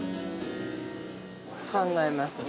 ◆考えますね。